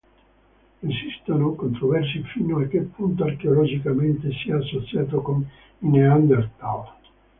Esistono controversie fino a che punto archeologicamente sia associato con i Neanderthal.